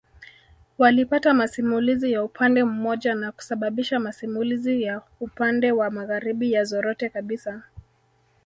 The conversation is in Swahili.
Walipata masimulizi ya upande mmoja na kusababisha masimulizi ya upande wa magharibi yazorote kabisa